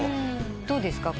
どうですか？